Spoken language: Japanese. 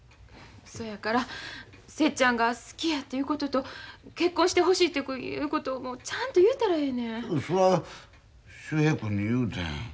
そやから節ちゃんが好きやということと結婚してほしいということをちゃんと言うたらええねん。